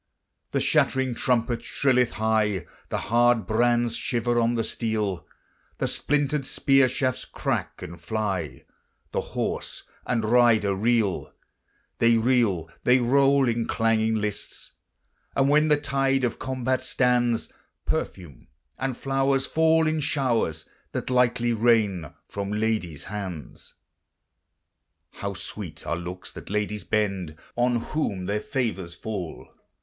The shattering trumpet shrilleth high, The hard brands shiver on the steel, The splintered spear shafts crack and fly, The horse and rider reel: They reel, they roll in clanging lists, And when the tide of combat stands, Perfume and flowers fall in showers, That lightly rain from ladies' hands. How sweet are looks that ladies bend On whom their favors fall!